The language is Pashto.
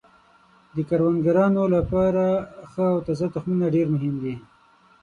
د کروندګرانو لپاره ښه او تازه تخمونه ډیر مهم دي.